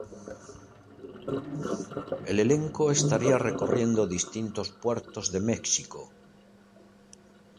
El elenco estaría recorriendo distintos puertos de Mexico.